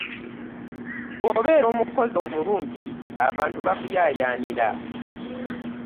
Bw'obeera omukozi omulungi abantu bakuyaayaanira.